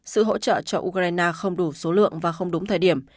sự hỗ trợ cho ukraine không đủ số lượng và không đúng thời điểm